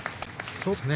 そうですね。